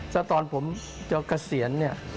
แต่ตอนผมจะเกษียณ